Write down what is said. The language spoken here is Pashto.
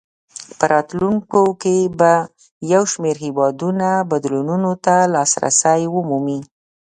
په راتلونکو کې به یو شمېر هېوادونه بدلونونو ته لاسرسی ومومي.